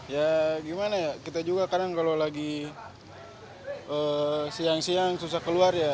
ya gimana ya kita juga kadang kalau lagi siang siang susah keluar ya